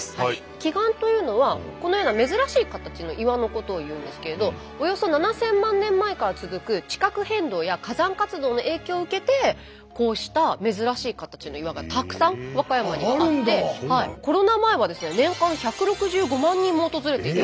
奇岩というのはこのような珍しい形の岩のことを言うんですけれどおよそ７，０００万年前から続く地殻変動や火山活動の影響を受けてこうした珍しい形の岩がたくさん和歌山にあってコロナ前はですね年間１６５万人も訪れていた。